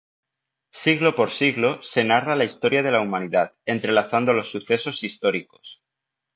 Siglo por siglo, se narra la historia de la humanidad, entrelazando los sucesos históricos.